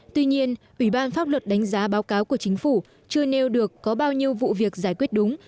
tuy nhiên ủy ban pháp luật đánh giá báo cáo của chính phủ chưa nêu được có bao nhiêu vụ việc giải quyết đúng